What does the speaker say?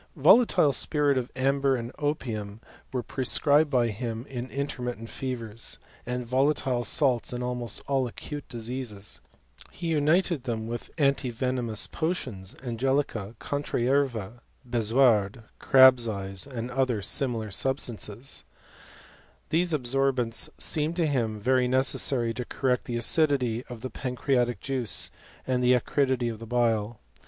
Volatile spirit of amber and opium wei# ▼AX HEIfMOVT JOTD THB lATfMM^HEMISTS. 199 prescribed by him in intennittent fevers ; and volatile salts in almost all acute diseases* He united thetn vitk antivenomous potions, angelica, contrayerva, be* loaid, crabs' eyes, and other similar substances. These absorbents seemed to him very necessary to correct the acidity of the pancreatic juice, and the acridity of the bile.